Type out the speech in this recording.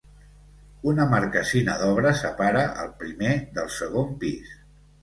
Una marquesina d'obra separa el primer del segon pis.